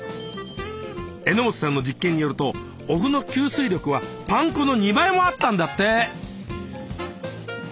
榎本さんの実験によるとお麩の吸水力はパン粉の２倍もあったんだって！